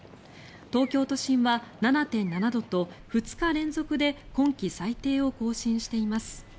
東京都心は７．７度と２日連続で今季最低を更新しています。